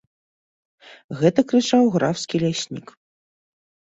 Гэта крычаў графскі ляснік.